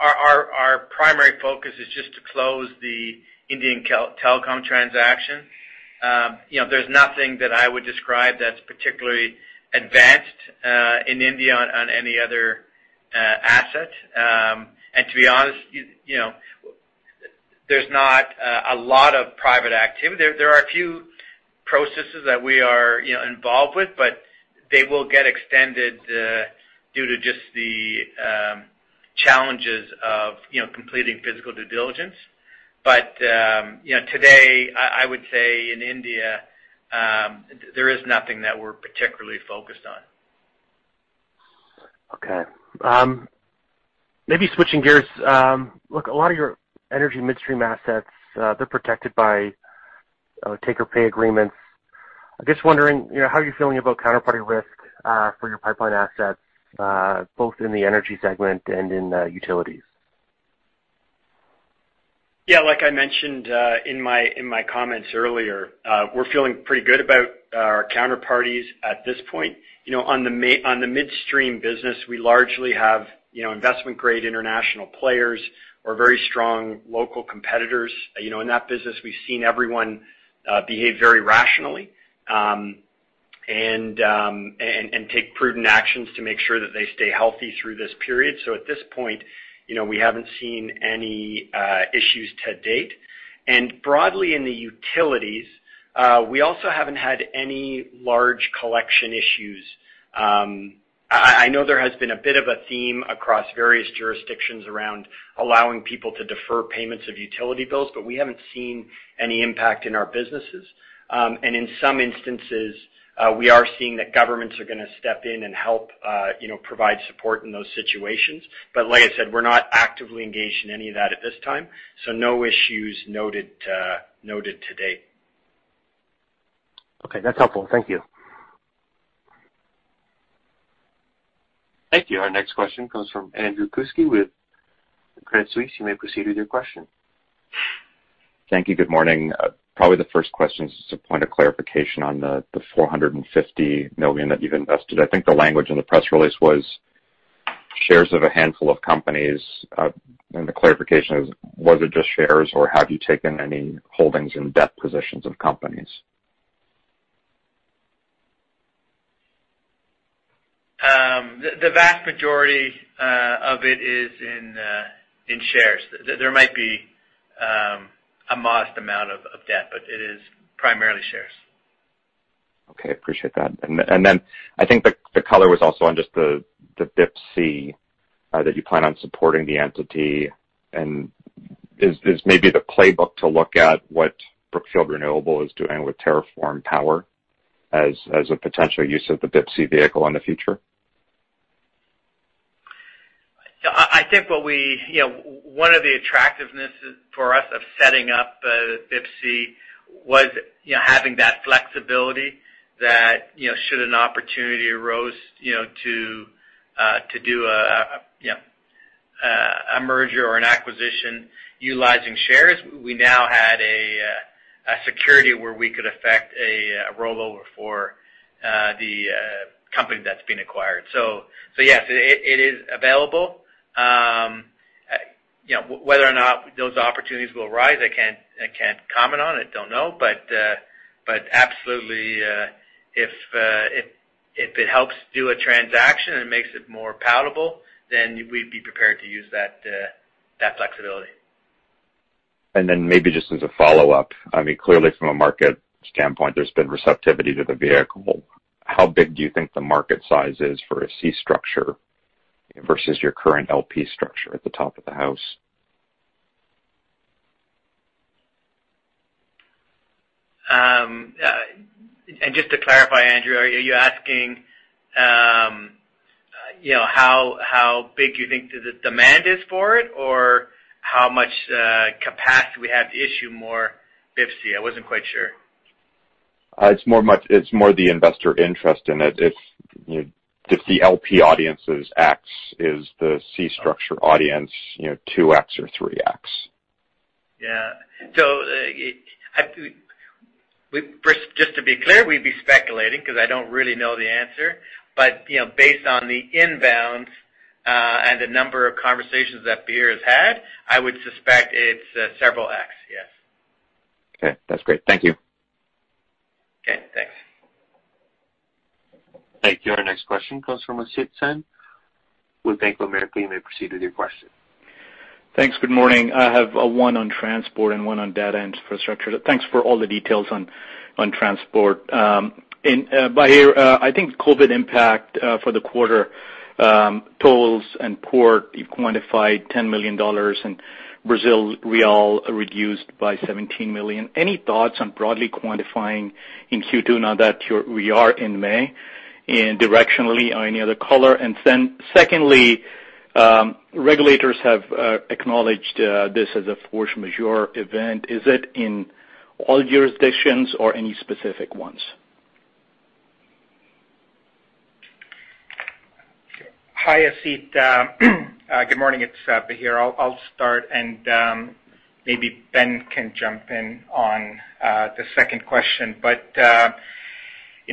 Speaker 3: our primary focus is just to close the Indian telecom transaction. There's nothing that I would describe that's particularly advanced in India on any other asset. To be honest, there's not a lot of private activity. There are a few processes that we are involved with, but they will get extended due to just the challenges of completing physical due diligence. Today, I would say in India there is nothing that we're particularly focused on.
Speaker 10: Okay. Maybe switching gears. Look, a lot of your energy midstream assets they're protected by take-or-pay agreements. I'm just wondering how are you feeling about counterparty risk for your pipeline assets both in the energy segment and in utilities?
Speaker 3: Yeah, like I mentioned in my comments earlier, we're feeling pretty good about our counterparties at this point. On the midstream business, we largely have investment-grade international players or very strong local competitors. In that business, we've seen everyone behave very rationally and take prudent actions to make sure that they stay healthy through this period. At this point we haven't seen any issues to date. Broadly in the utilities, we also haven't had any large collection issues. I know there has been a bit of a theme across various jurisdictions around allowing people to defer payments of utility bills, but we haven't seen any impact in our businesses. In some instances, we are seeing that governments are going to step in and help provide support in those situations. Like I said, we're not actively engaged in any of that at this time. No issues noted to date.
Speaker 10: Okay, that's helpful. Thank you.
Speaker 1: Thank you. Our next question comes from Andrew Kuske with Credit Suisse. You may proceed with your question.
Speaker 11: Thank you. Good morning. Probably the first question is just a point of clarification on the $450 million that you've invested. I think the language in the press release was shares of a handful of companies. The clarification is, was it just shares or have you taken any holdings in debt positions of companies?
Speaker 3: The vast majority of it is in shares. There might be a modest amount of debt, but it is primarily shares.
Speaker 11: Okay, appreciate that. I think the color was also on just the BIPC that you plan on supporting the entity. Is maybe the playbook to look at what Brookfield Renewable Partners is doing with TerraForm Power as a potential use of the BIPC vehicle in the future?
Speaker 4: One of the attractiveness for us of setting up BIPC was having that flexibility that should an opportunity arose to do a merger or an acquisition utilizing shares. We now had a security where we could affect a rollover for the company that's been acquired. Yes, it is available. Whether or not those opportunities will rise, I can't comment on it. Don't know. Absolutely, if it helps do a transaction and makes it more palatable, then we'd be prepared to use that flexibility.
Speaker 11: Maybe just as a follow-up, clearly from a market standpoint, there's been receptivity to the vehicle. How big do you think the market size is for a C structure versus your current LP structure at the top of the house?
Speaker 4: Just to clarify, Andrew, are you asking how big you think the demand is for it, or how much capacity we have to issue more BIPC? I wasn't quite sure.
Speaker 11: It's more the investor interest in it. If the LP audience is X, is the C structure audience 2X or 3X?
Speaker 4: Yeah. Just to be clear, we'd be speculating because I don't really know the answer. Based on the inbounds, and the number of conversations that Bahir has had, I would suspect it's several X. Yes.
Speaker 11: Okay, that's great. Thank you.
Speaker 4: Okay, thanks.
Speaker 1: Thank you. Our next question comes from Asit Sen with Bank of America. You may proceed with your question.
Speaker 12: Thanks. Good morning. I have one on transport and one on data infrastructure. Thanks for all the details on transport. Bahir, I think COVID impact for the quarter, tolls and port, you've quantified $10 million in BRL reduced by $17 million. Any thoughts on broadly quantifying in Q2 now that we are in May and directionally or any other color? Secondly, regulators have acknowledged this as a force majeure event. Is it in all jurisdictions or any specific ones?
Speaker 2: Hi, Asit. Good morning. It's Bahir. I'll start and maybe Ben can jump in on the second question.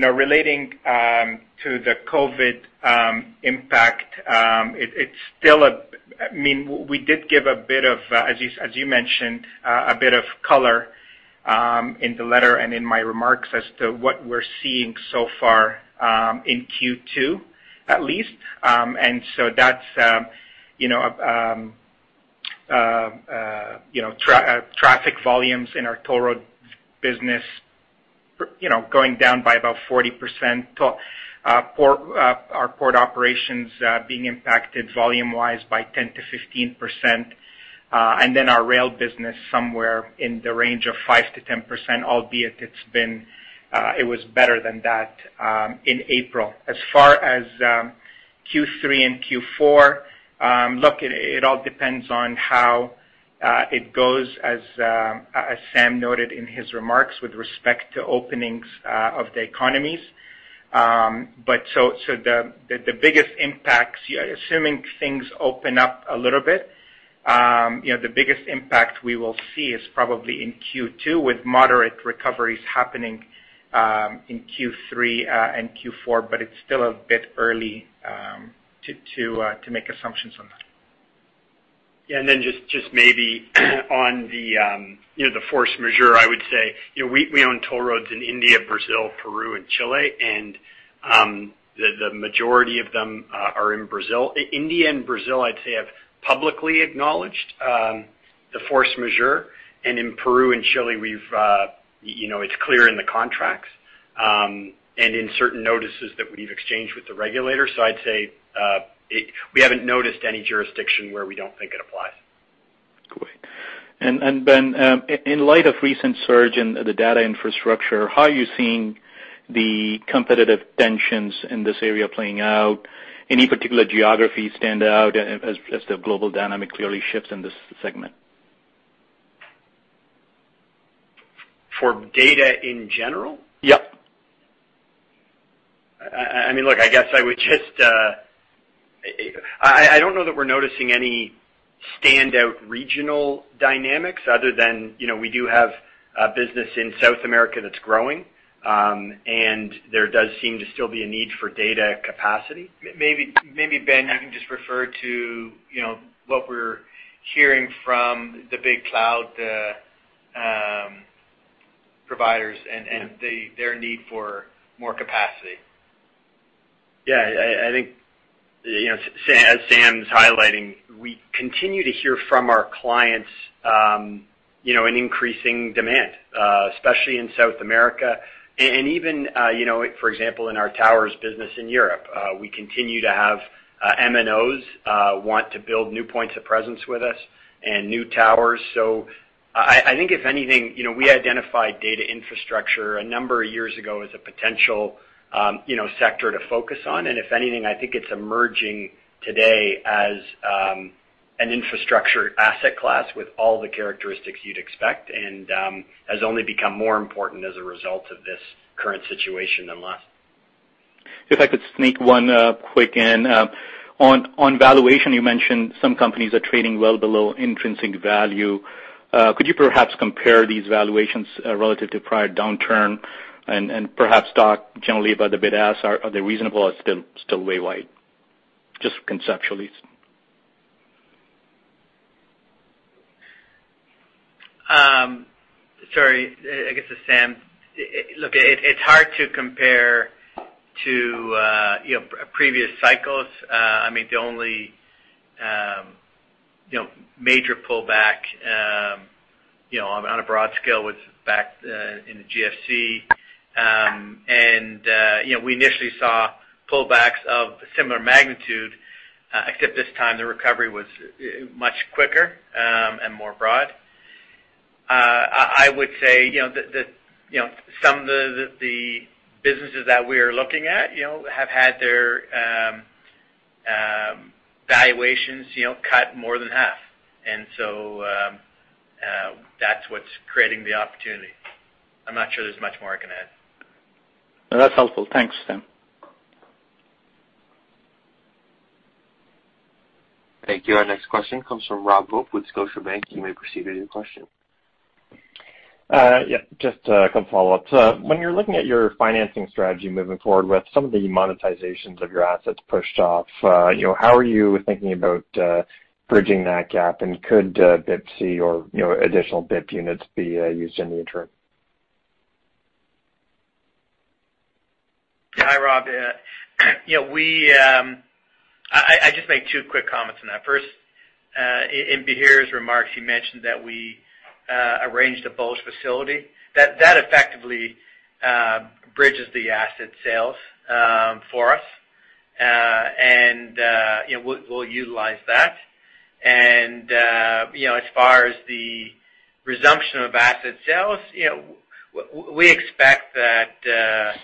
Speaker 2: Relating to the COVID impact, we did give, as you mentioned, a bit of color in the letter and in my remarks as to what we're seeing so far in Q2 at least. That's traffic volumes in our toll road business going down by about 40%, our port operations being impacted volume-wise by 10%-15%, and then our rail business somewhere in the range of 5%-10%, albeit it was better than that in April. As far as Q3 and Q4, look, it all depends on how it goes as Sam noted in his remarks with respect to openings of the economies. The biggest impacts, assuming things open up a little bit, the biggest impact we will see is probably in Q2 with moderate recoveries happening in Q3 and Q4, but it's still a bit early to make assumptions on that.
Speaker 3: Yeah, then just maybe on the force majeure, I would say we own toll roads in India, Brazil, Peru and Chile, and the majority of them are in Brazil. India and Brazil I'd say have publicly acknowledged the force majeure. In Peru and Chile it's clear in the contracts. In certain notices that we've exchanged with the regulators. I'd say we haven't noticed any jurisdiction where we don't think it applies.
Speaker 12: Great. Ben, in light of recent surge in the data infrastructure, how are you seeing the competitive tensions in this area playing out? Any particular geographies stand out as the global dynamic clearly shifts in this segment?
Speaker 3: For data in general?
Speaker 4: Yeah.
Speaker 3: Look, I guess I don't know that we're noticing any standout regional dynamics other than we do have a business in South America that's growing. There does seem to still be a need for data capacity.
Speaker 4: Maybe, Ben, you can just refer to what we're hearing from the big cloud providers and their need for more capacity.
Speaker 3: Yeah. I think, as Sam's highlighting, we continue to hear from our clients an increasing demand, especially in South America and even, for example, in our towers business in Europe. We continue to have MNOs want to build new points of presence with us and new towers. I think if anything, we identified data infrastructure a number of years ago as a potential sector to focus on. If anything, I think it's emerging today as an infrastructure asset class with all the characteristics you'd expect, and has only become more important as a result of this current situation than less.
Speaker 12: If I could sneak one quick in. On valuation, you mentioned some companies are trading well below intrinsic value. Could you perhaps compare these valuations relative to prior downturn and perhaps talk generally about the bid asks, are they reasonable or still way wide? Just conceptually.
Speaker 4: Sorry, I guess it's Sam. Look, it's hard to compare to previous cycles. The only major pullback on a broad scale was back in the GFC. We initially saw pullbacks of similar magnitude, except this time the recovery was much quicker and more broad. I would say that some of the businesses that we are looking at have had their valuations cut more than half. That's what's creating the opportunity. I'm not sure there's much more I can add.
Speaker 12: No, that's helpful. Thanks, Sam.
Speaker 1: Thank you. Our next question comes from Robert Hope with Scotiabank. You may proceed with your question.
Speaker 13: Yeah, just a couple follow-ups. When you're looking at your financing strategy moving forward with some of the monetizations of your assets pushed off, how are you thinking about bridging that gap? Could BIPC or additional BIP units be used in the interim?
Speaker 4: Hi, Rob. I just make two quick comments on that. First, in Bahir's remarks, he mentioned that we arranged a bridge facility. That effectively bridges the asset sales for us. We'll utilize that. As far as the resumption of asset sales, we expect that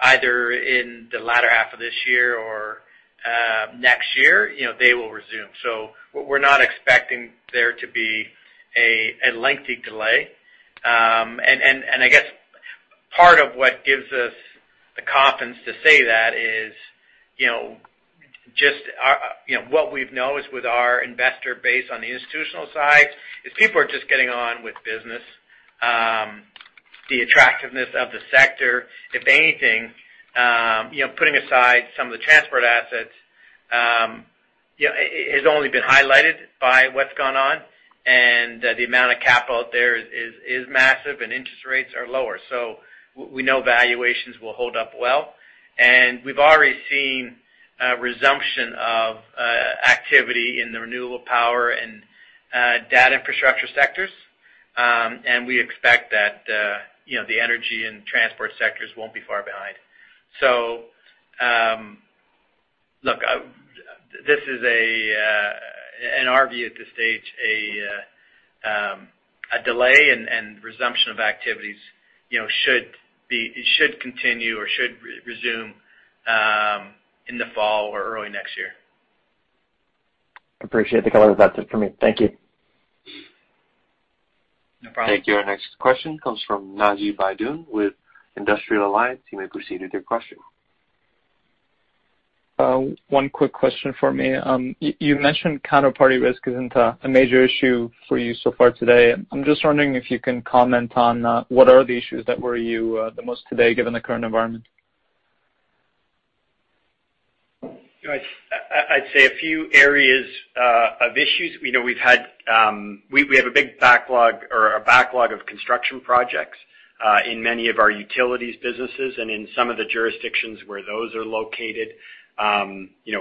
Speaker 4: either in the latter half of this year or next year they will resume. We're not expecting there to be a lengthy delay. I guess part of what gives us the confidence to say that is just what we've noticed with our investor base on the institutional side is people are just getting on with business. The attractiveness of the sector, if anything, putting aside some of the transport assets, has only been highlighted by what's gone on, and the amount of capital out there is massive, and interest rates are lower. We know valuations will hold up well. We've already seen a resumption of activity in the renewable power and data infrastructure sectors. We expect that the energy and transport sectors won't be far behind. Look, this is, in our view at this stage, a delay and resumption of activities should continue or should resume in the fall or early next year.
Speaker 13: Appreciate the color. That's it for me. Thank you.
Speaker 4: No problem.
Speaker 1: Thank you. Our next question comes from Naji Beydoun with Industrial Alliance. You may proceed with your question.
Speaker 14: One quick question for me. You mentioned counterparty risk isn't a major issue for you so far today. I'm just wondering if you can comment on what are the issues that worry you the most today, given the current environment.
Speaker 3: I'd say a few areas of issues. We have a big backlog or a backlog of construction projects in many of our utilities businesses and in some of the jurisdictions where those are located.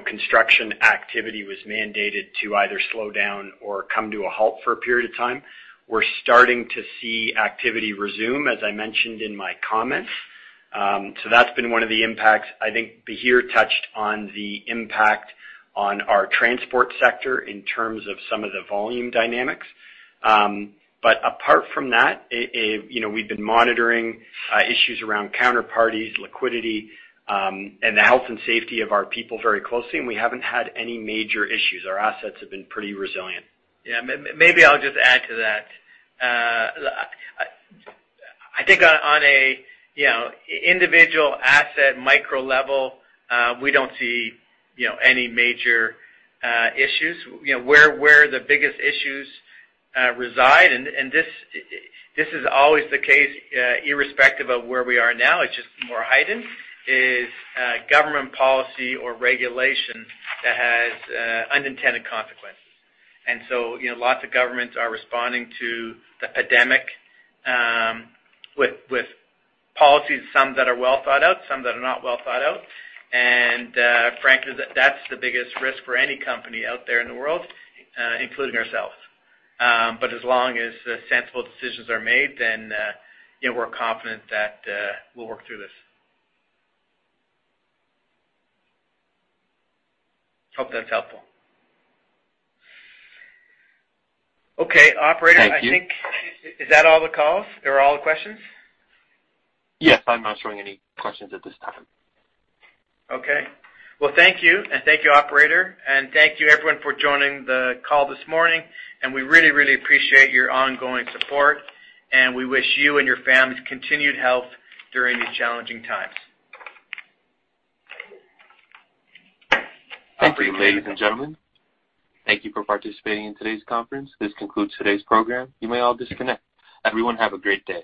Speaker 3: Construction activity was mandated to either slow down or come to a halt for a period of time. We're starting to see activity resume, as I mentioned in my comments. That's been one of the impacts. I think Bahir touched on the impact on our transport sector in terms of some of the volume dynamics. Apart from that, we've been monitoring issues around counterparties, liquidity, and the health and safety of our people very closely, and we haven't had any major issues. Our assets have been pretty resilient.
Speaker 4: Yeah. Maybe I'll just add to that. I think on an individual asset micro level, we don't see any major issues. Where the biggest issues reside, and this is always the case irrespective of where we are now, it's just more heightened, is government policy or regulation that has unintended consequences. Lots of governments are responding to the pandemic with policies, some that are well thought out, some that are not well thought out. Frankly, that's the biggest risk for any company out there in the world, including ourselves. As long as sensible decisions are made, then we're confident that we'll work through this. Hope that's helpful. Okay, operator.
Speaker 1: Thank you.
Speaker 4: Is that all the calls or all the questions?
Speaker 1: Yes, I'm not showing any questions at this time.
Speaker 4: Okay. Well, thank you, and thank you, operator, and thank you everyone for joining the call this morning. We really appreciate your ongoing support. We wish you and your families continued health during these challenging times.
Speaker 1: Thank you, ladies and gentlemen. Thank you for participating in today's conference. This concludes today's program. You may all disconnect. Everyone, have a great day.